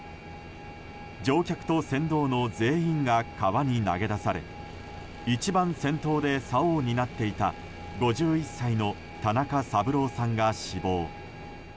乗客と船頭の全員が川に投げ出され一番先頭でさおを担っていた５１歳の田中三郎さんが死亡。